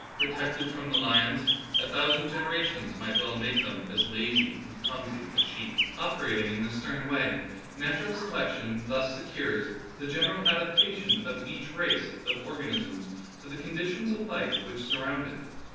Protected from the lions, a thousand generations might well make them as lazy and clumsy as sheep. 16 Darwinism and Other Essays. Operating in this stern way, natural selection secures the general adaptation of each race of or ganisms to the conditions of life which surround it.